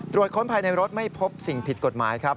ค้นภายในรถไม่พบสิ่งผิดกฎหมายครับ